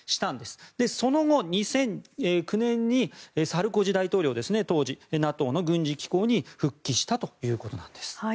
その後、２００９年に当時のサルコジ大統領がＮＡＴＯの軍事機構に復帰したということです。